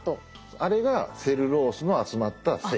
あれがセルロースの集まった繊維。